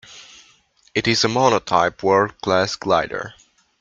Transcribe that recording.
It is a monotype World Class glider.